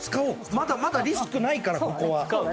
まだまだリスクないからここはそうだね